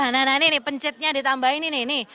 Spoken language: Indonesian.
nah ini pencitnya ditambahin ini nih